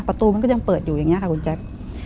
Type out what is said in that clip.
ประตูมันก็ยังเปิดอยู่อย่างนี้ค่ะคุณแจ๊ค